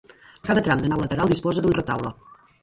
Cada tram de nau lateral disposa d'un retaule.